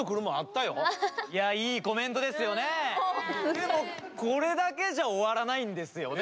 でもこれだけじゃ終わらないんですよね